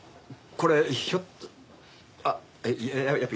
これひょっとあっいややっぱ。